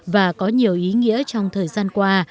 và có nhiều ý nghĩa trong thời gian qua